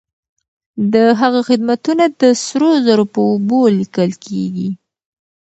د هغه خدمتونه د سرو زرو په اوبو ليکل کيږي.